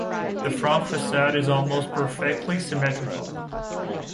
The front facade is almost perfectly symmetrical.